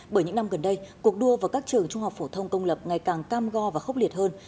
bởi những năm gần đây cuộc đua vào các trường trung học phổ thông công lập ngày càng cam go và khốc liệt hơn